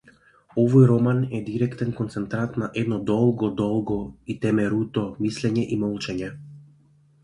Овој роман е директен концентрат на едно долго, долго и темеруто мислење и молчење.